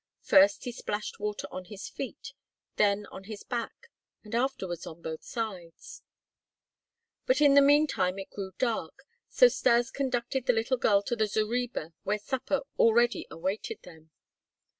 First he splashed water on his feet, then on his back, and afterwards on both sides. But in the meantime it grew dark; so Stas conducted the little girl to the zareba where supper already awaited them.